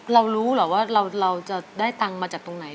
เรารู้เหรอว่าเราจะได้ตังค์มาจากตรงไหน